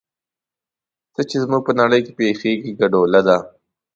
څه چې زموږ په نړۍ کې پېښېږي ګډوله ده.